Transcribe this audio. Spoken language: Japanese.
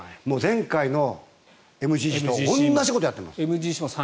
前回のＭＧＣと同じことやってます。